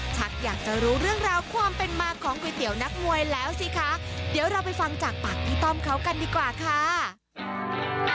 อยากจะรู้เรื่องราวความเป็นมาของก๋วยเตี๋ยวนักมวยแล้วสิคะเดี๋ยวเราไปฟังจากปากพี่ต้อมเขากันดีกว่าค่ะ